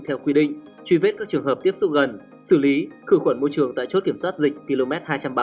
theo quy định truy vết các trường hợp tiếp xúc gần xử lý khử khuẩn môi trường tại chốt kiểm soát dịch km hai trăm bảy mươi bảy